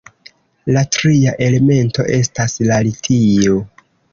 La tria elemento estas la litio.